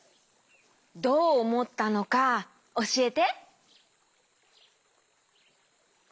どうおもったのかおしえて。